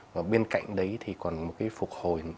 và bên cạnh đấy thì còn một cái phục hồi